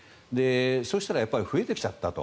そうしたらやっぱり増えてきちゃったと。